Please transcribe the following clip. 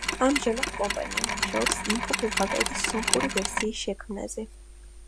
ამჟამად კომპანია მუშაობს „ინფო ბუღალტერის“ სომხური ვერსიის შექმნაზე.